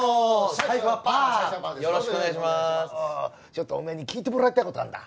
ちょっとおめえに聞いてもらいたい事あるんだ。